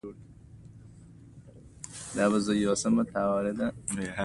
مایوریان وروسته د دغو ټاپوګانو د تباهۍ لامل شول.